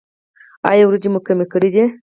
ایا وریجې مو کمې کړي دي؟